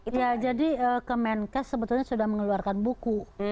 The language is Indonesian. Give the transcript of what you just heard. iya jadi kemenkes sebetulnya sudah mengeluarkan buku